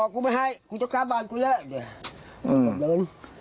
ไปก็กลับบ้านเดี๋ยวสิ้น